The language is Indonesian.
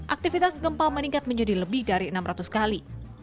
aktivitas gempa meningkat menjadi lebih dari enam ratus kali